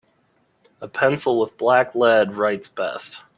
A pencil with black lead writes best.